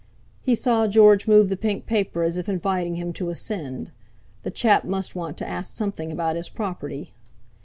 He saw George move the pink paper as if inviting him to ascend—the chap must want to ask something about his property.